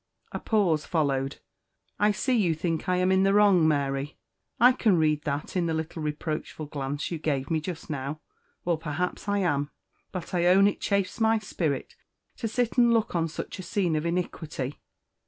A pause followed. "I see you think I am in the wrong, Mary; I can read that in the little reproachful glance you gave me just now. Well, perhaps I am; but I own it chafes my spirit to sit and look on such a scene of iniquity.